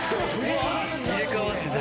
入れ替わってた。